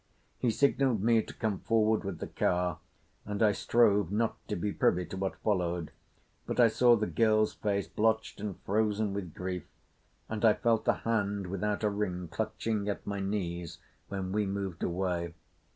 He signalled me to come forward with the car, and I strove not to be privy to what followed; but I saw the girl's face, blotched and frozen with grief, and I felt the hand without a ring clutching at my knees when we moved away.